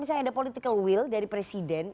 misalnya ada political will dari presiden